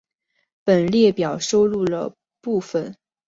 本列表收录了部分中华人民共和国境内民用机场导航台资料。